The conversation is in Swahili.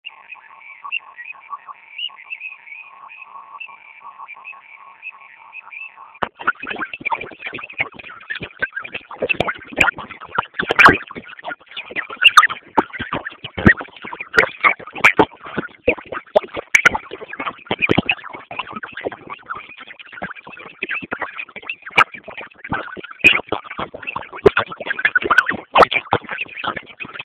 Jamhuri ya Afrika ya kati imeharibiwa na vita vya wenyewe kwa wenyewe